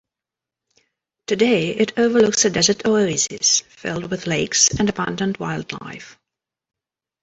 Today it overlooks a desert oasis filled with lakes and abundant wildlife.